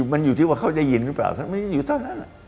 มันอยู่ที่ว่าเขาได้ยินหรือเปล่าถ้าไม่ได้อยู่เท่านั้น